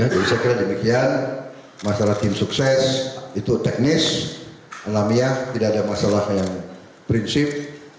jadi saya kira demikian masalah tim sukses itu teknis alamiah tidak ada masalah yang prinsip